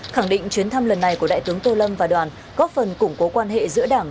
khẳng định chuyến thăm lần này của đại tướng tô lâm và đoàn góp phần củng cố quan hệ giữa đảng